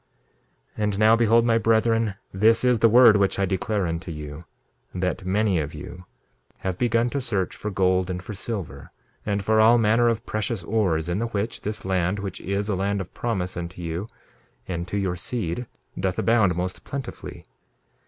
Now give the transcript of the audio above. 2:12 And now behold, my brethren, this is the word which I declare unto you, that many of you have begun to search for gold, and for silver, and for all manner of precious ores, in the which this land, which is a land of promise unto you and to your seed, doth abound most plentifully.